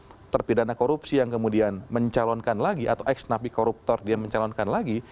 ada terpidana korupsi yang kemudian mencalonkan lagi atau ex nabi koruptor dia mencalonkan lagi